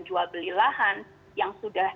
jual beli lahan yang sudah